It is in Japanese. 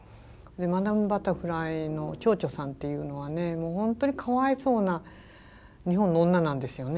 「マダム・バタフライ」の蝶々さんっていうのは本当にかわいそうな日本の女なんですよね。